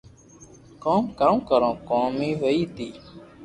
ڪوم ڪاو ڪرو ڪوم ئي وئي ني